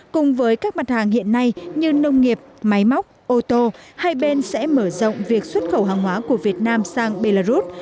cùng với các mặt hàng hiện nay như nông nghiệp máy móc ô tô hai bên sẽ mở rộng việc xuất khẩu hàng hóa của việt nam sang belarus